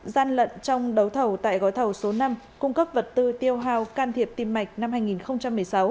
gian lận trong đấu thầu tại gói thầu số năm cung cấp vật tư tiêu hào can thiệp tim mạch năm hai nghìn một mươi sáu